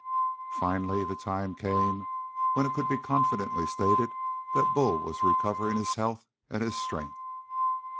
Finally the time came when it could be confidently stated that Bull was recovering his health and his strength.